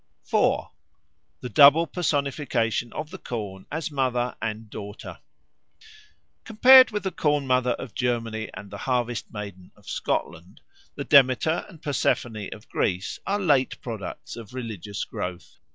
4. The Double Personification of the Corn as Mother and Daughter COMPARED with the Corn mother of Germany and the Harvest maiden of Scotland, the Demeter and Persephone of Greece are late products of religious growth.